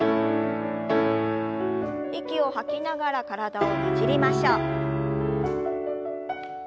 息を吐きながら体をねじりましょう。